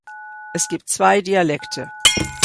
Es gibt zwei Dialekte.